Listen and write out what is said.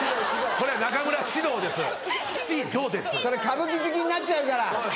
それ歌舞伎好きになっちゃうから。